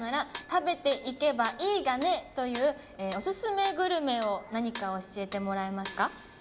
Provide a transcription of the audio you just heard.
「食べていけばいいがね！」というオススメグルメを何か教えてもらえますか？